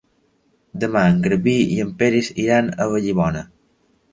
Demà en Garbí i en Peris iran a Vallibona.